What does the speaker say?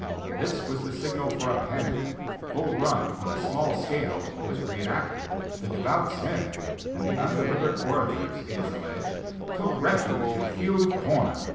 This was the signal for a panic; Bull Run, on a small scale was re enacted. The devout Smith, and the undelivered orators, it is alleged, took refuge in a field of corn.